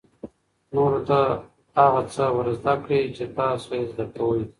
نورو ته هغه څه ور زده کړئ چې تاسو یې زده کوئ.